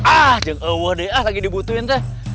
ah jangan awah deh lagi dibutuhin t